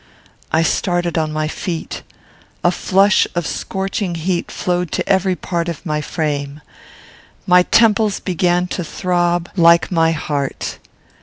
I started on my feet. A flush of scorching heat flowed to every part of my frame. My temples began to throb like my heart.